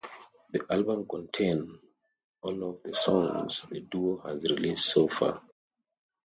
The album contained all of the songs the duo has released so far.